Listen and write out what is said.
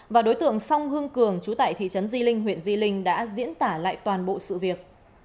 và đối tượng song hương cường chú tại thị trấn di linh huyện di linh đã diễn tả lại toàn bộ sự việc